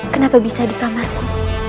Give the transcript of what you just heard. kenapa bisa di kamarku